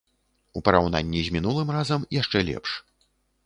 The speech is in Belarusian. У параўнанні з мінулым разам, яшчэ лепш.